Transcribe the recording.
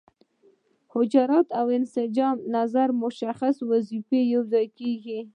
حجرات او انساج نظر مشخصې وظیفې یوځای کیږي.